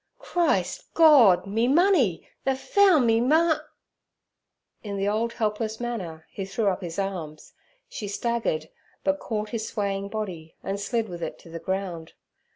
'Christ! Gord! Me money—they've foun' me mo—' In the old helpless manner he threw up his arms. She staggered, but caught his swaying body, and slid with it to the ground.